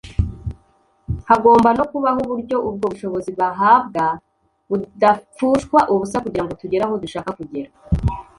Hagomba no kubaho uburyo ubwo bushobozi bahabwa budapfushwa ubusa kugira ngo tugere aho dushaka kugera